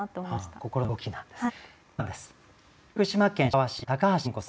心の動きなんですね。